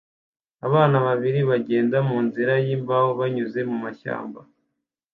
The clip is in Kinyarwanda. Abana babiri bagenda munzira yimbaho banyuze mumashyamba